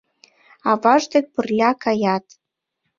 Аваж дек пырля каят.